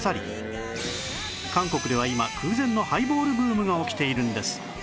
韓国では今空前のハイボールブームが起きているんです